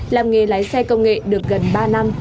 làm nghề lái xe công nghệ được gần ba năm